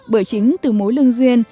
bởi chính từ mối lương duyên